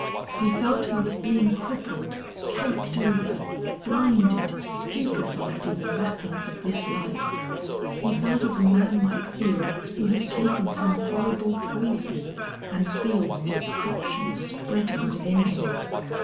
He felt he was being crippled, caked over, blinded, stupefied in the wrappings of this life, he felt as a man might feel who has taken some horrible poison, and feels destruction spreading within him.